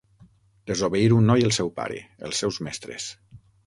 Desobeir un noi el seu pare, els seus mestres.